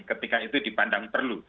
ketika itu dipandang perlu